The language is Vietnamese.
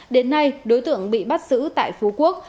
đến nay đối tượng bị bắt giữ tại phú quốc